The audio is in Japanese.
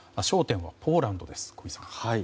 焦点はポーランドです。